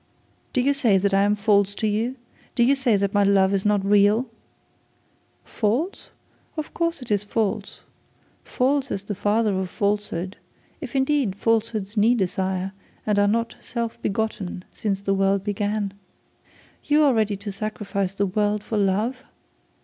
'Do you say that I am false to you? Do you say that my love is not real?' 'False? Of course it is false, false as the father of falsehood if indeed falsehoods need a sire and are not self begotten since the world began. You are ready to sacrifice the world for love?